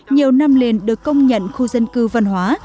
nhiều năm liền được công nhận khu dân cư văn hóa